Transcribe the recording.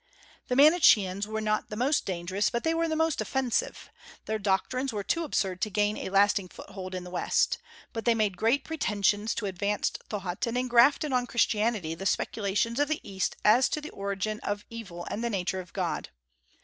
The Manicheans were not the most dangerous, but they were the most offensive. Their doctrines were too absurd to gain a lasting foothold in the West. But they made great pretensions to advanced thought, and engrafted on Christianity the speculations of the East as to the origin of evil and the nature of God.